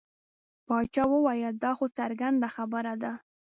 باچا وویل دا خو څرګنده خبره ده.